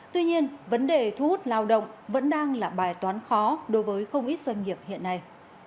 tuy nhiên vấn đề thu hút lao động vẫn đang là bài toán khó đối với không ít doanh nghiệp hiện nay